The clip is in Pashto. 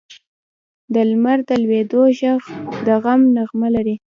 د لمر د لوېدو ږغ د غم نغمه لري.